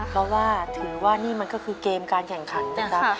เพราะว่าถือว่านี่มันก็คือเกมการแข่งขันนะครับ